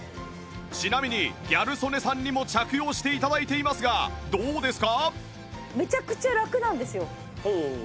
ちなみにギャル曽根さんにも着用して頂いていますがどうですか？